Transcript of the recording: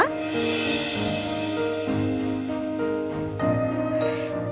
dan di sebelahnya ada rena bersama oma